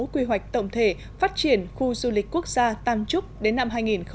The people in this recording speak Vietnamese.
quy hoạch tổng thể phát triển khu du lịch quốc gia tam trúc đến năm hai nghìn ba mươi